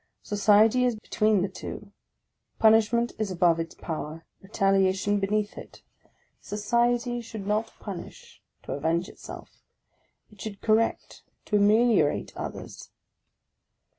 Society is between the two; punishment is above its power, retaliation beneath it. Society 34 PREFACE OF should not punish, to avenge itself; it should correct, to ameliorate others